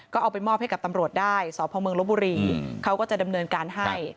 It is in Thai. ก็เอาไปมอบให้กับตำรวจได้สพเมืองลบบุรีเขาก็จะดำเนินการให้